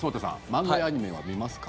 漫画やアニメは見ますか？